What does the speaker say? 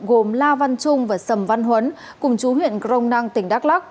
gồm la văn trung và sầm văn huấn cùng chú huyện crong năng tỉnh đắk lắc